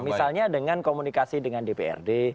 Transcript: misalnya dengan komunikasi dengan dprd